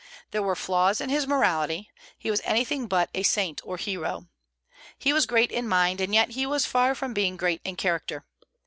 There were flaws in his morality; he was anything but a saint or hero. He was great in mind, and yet he was far from being great in character.